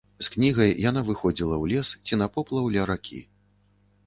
З кнігай яна выходзіла ў лес ці на поплаў ля ракі.